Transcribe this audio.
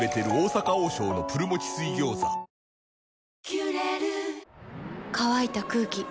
「キュレル」乾いた空気。